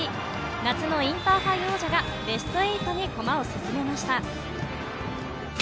夏のインターハイ王者がベスト８に駒を進めました。